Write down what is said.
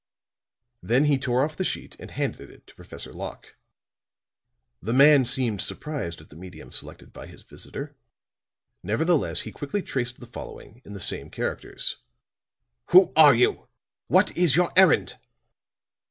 Then he tore off the sheet and handed it to Professor Locke. The man seemed surprised at the medium selected by his visitor; nevertheless he quickly traced the following in the same characters. "Who are you? What is your errand?"